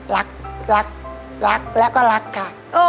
รักแล้วก็รักคะ